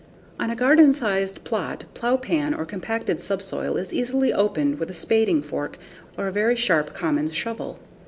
On a garden sized plot, plowpan or compacted subsoil is easily opened with a spading fork or a very sharp common shovel.